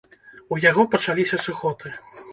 У яго пачаліся сухоты.